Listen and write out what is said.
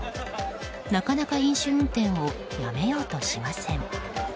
なかなか飲酒運転をやめようとしません。